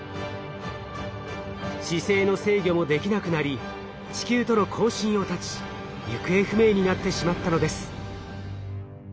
姿勢の制御もできなくなり地球との交信を絶ち行方不明になってしまったのです。